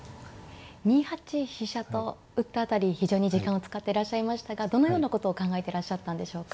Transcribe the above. ２八飛車と打った辺り非常に時間を使ってらっしゃいましたがどのようなことを考えていらっしゃったんでしょうか。